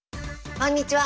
こんにちは。